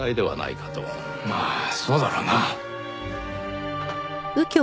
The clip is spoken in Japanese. まあそうだろうな。